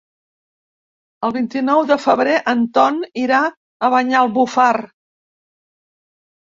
El vint-i-nou de febrer en Ton irà a Banyalbufar.